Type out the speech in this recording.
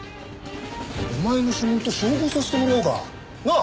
お前の指紋と照合させてもらおうか。なあ？